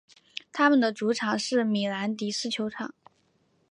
他们的主场是米兰迪斯球场。